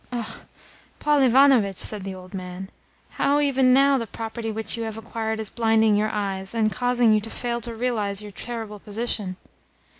"Ah, Paul Ivanovitch," said the old man, "how even now the property which you have acquired is blinding your eyes, and causing you to fail to realise your terrible position!"